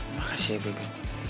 makasih ya bebe